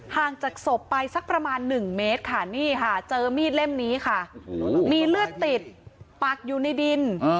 ห่างจากศพไปสักประมาณ๑เมตรค่ะนี่ค่ะเจอมีดเล่มนี้ค่ะมีเลือดติดปักอยู่ในดิน